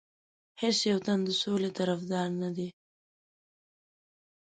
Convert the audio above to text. هیڅ یو تن د سولې طرفدار نه دی.